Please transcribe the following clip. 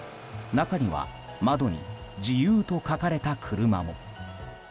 中には窓に「自由」と書かれた車も。